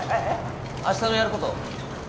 明日のやること